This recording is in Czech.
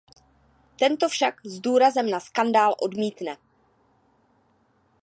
Ten to však s důrazem na skandál odmítne.